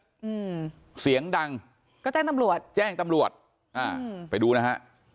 อืมเสียงดังก็แจ้งตำรวจแจ้งตำรวจอ่าไปดูนะฮะ